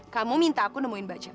kamu minta aku nemuin baca